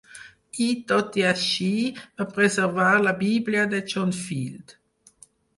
I, tot i així, va preservar la bíblia de John Field.